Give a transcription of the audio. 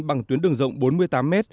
bằng tuyến đường rộng bốn mươi tám m